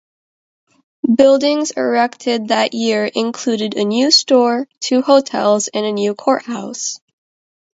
Buildings erected that year included a new store, two hotels and a new court-house.